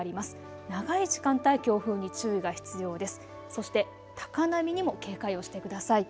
そして高波にも警戒をしてください。